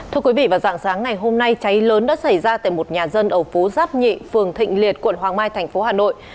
thưa quý vị vào dạng sáng ngày hôm nay cháy lớn đã xảy ra tại một nhà dân ở phố giáp nhị phường thịnh liệt quận hoàng mai thành phố hà nội